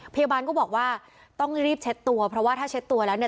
พยาบาลก็บอกว่าต้องรีบเช็ดตัวเพราะว่าถ้าเช็ดตัวแล้วเนี่ย